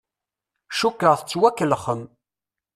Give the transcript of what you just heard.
Cukkeɣ tettwakellexem.